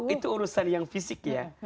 itu urusan yang fisik ya